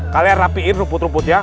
kalian rapiin rumput rumputnya